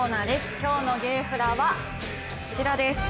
今日のゲーフラはこちらです。